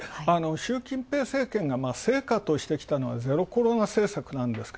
習近平政権が成果としてきたのはゼロコロナ政策。